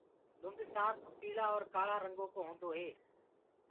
لُنڊ سآنپ پيݪآ اور ڪآۯآ ڪلرو ڪو هوندو هي۔